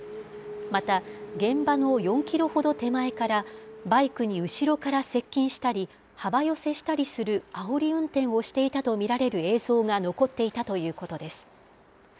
また、現場の４キロほど手前から、バイクに後ろから接近したり、幅寄せしたりするあおり運転をしていたと見られる映像が残っていたということです。